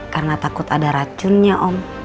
karena takut ada racunnya om